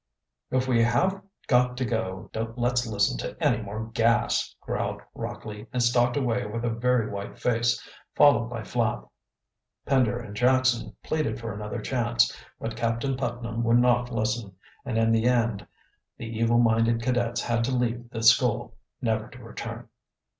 "If we have got to go, don't let's listen to any more gas," growled Rockley, and stalked away with a very white face, followed by Flapp. Pender and Jackson pleaded for another chance, but Captain Putnam would not listen, and in the end the evil minded cadets had to leave the school, never to return.